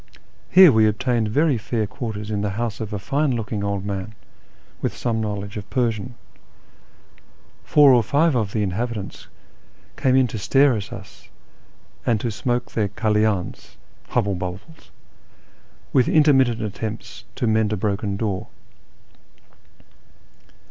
Here we obtained very fair quarters in the house of a fine looking old man, with some knowledge of Persian. Four or five of the inhabitants came in to stare at us and smoke their halydns (" hubble bubbles "), with intermittent attempts to mend a broken door.